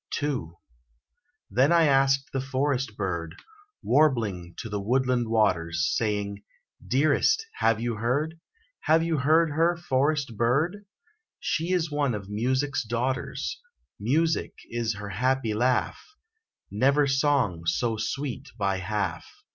II. Then I asked the forest bird, Warbling to the woodland waters; Saying, "Dearest, have you heard, Have you heard her, forest bird? She is one of Music's daughters Music is her happy laugh; Never song so sweet by half."